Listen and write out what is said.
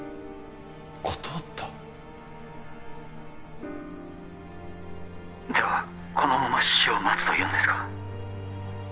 断ったではこのまま死を待つというんですか？